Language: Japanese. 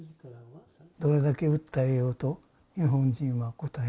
「どれだけ訴えようと日本人は答えない。